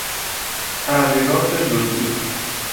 تغییرات جزئی